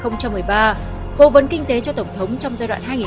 phổ vấn kinh tế cho tổng thống